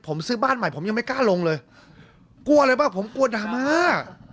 ผมซื้อบ้านใหม่ผมยังไม่กล้าลงเลยกลัวอะไรป่ะผมกลัวดราม่า